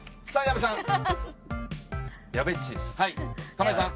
玉井さん。